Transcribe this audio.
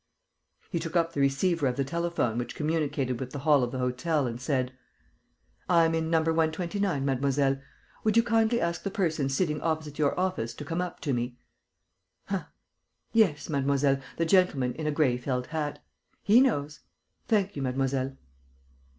He took up the receiver of the telephone which communicated with the hall of the hotel and said: "I'm No. 129, mademoiselle. Would you kindly ask the person sitting opposite your office to come up to me?... Huh!... Yes, mademoiselle, the gentleman in a gray felt hat. He knows. Thank you, mademoiselle."